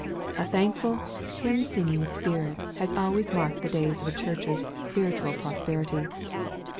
A thankful, hymn singing spirit has always marked the days of a Church's spiritual pros perity.